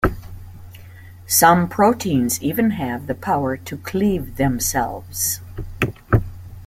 Some proteins even have the power to cleave themselves.